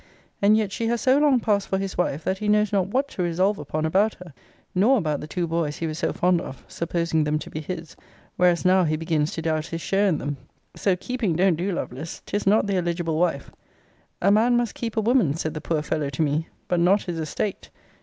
And yet she has so long passed for his wife, that he knows not what to resolve upon about her; nor about the two boys he was so fond of, supposing them to be his; whereas now he begins to doubt his share in them. So KEEPING don't do, Lovelace. 'Tis not the eligible wife. 'A man must keep a woman, said the poor fellow to me, but not his estate!